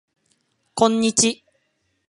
こんにち